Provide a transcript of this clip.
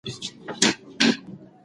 موږ څنګه کولای شو خپل رفتار کنټرول کړو؟